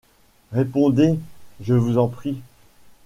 Répondez, je vous en prie.